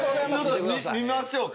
見ましょうか。